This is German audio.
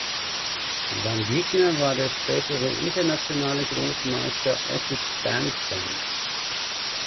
Sein Gegner war der spätere Internationale Großmeister Ossip Bernstein.